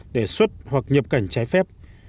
để xuất hoặc nhập cảnh trái phép